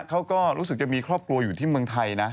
เขาก็รู้สึกจะมีครอบครัวอยู่ที่เมืองไทยนะ